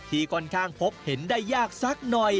ที่ค่อนข้างพบเห็นได้ยากสักหน่อย